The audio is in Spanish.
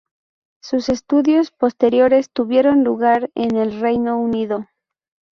Sus estudios posteriores tuvieron lugar en el Reino Unido.